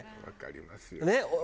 わかりますよ。